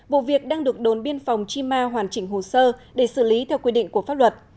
vụ việc đang được đồn biên phòng chi ma hoàn chỉnh hồ sơ để xử lý theo quy định của pháp luật